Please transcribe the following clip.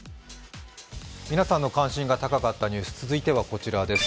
皆さんの関心が高かったニュース、続いてはこちらです。